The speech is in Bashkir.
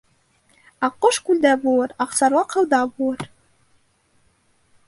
Аҡҡош күлдә булыр, аҡсарлаҡ һыуҙа булыр.